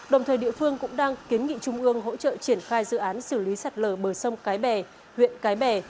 đồng thời địa phương cũng đang kiến nghị trung ương hỗ trợ triển khai dự án xử lý sạt lở bờ sông cái bè huyện cái bè